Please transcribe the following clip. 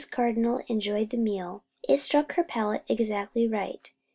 Cardinal enjoyed the meal. It struck her palate exactly right.